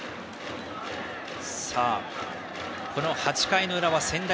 この８回の裏は専大